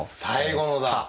最後のだ！